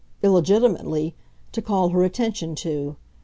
illegitimately, to call her attention to.